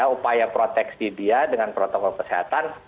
upaya proteksi dia dengan protokol kesehatan